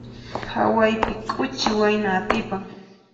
Phawaypi k'uchi wayna atipan.